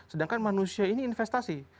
sedangkan manusia ini investasi